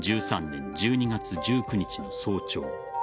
２０１３年１２月１９日の早朝